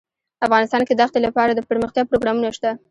افغانستان کې د ښتې لپاره دپرمختیا پروګرامونه شته.